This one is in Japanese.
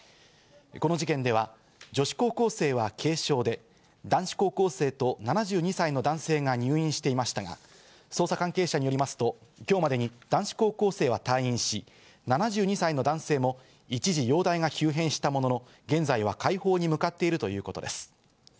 この事件では女子高校生は軽傷で、男子高校生と７２歳の男性が入院していましたが、捜査関係者によりますと、今日までに男子高校生は退院し、７２歳の男性も一時容体が急変したものの、現在は快方に向かっているということです。